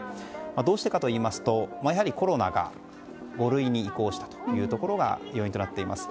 どうしてかといいますとやはりコロナが５類に移行したところが要因となっています。